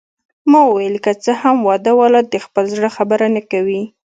ما وویل: که څه هم واده والا د خپل زړه خبره نه کوي.